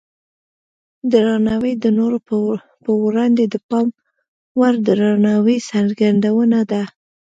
درناوی د نورو په وړاندې د پام وړ درناوي څرګندونه ده.